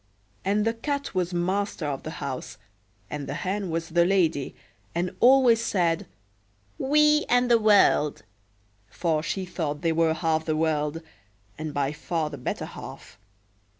And the Cat was master of the house, and the Hen was the lady, and always said "We and the world!" for she thought they were half the world, and by far the better half.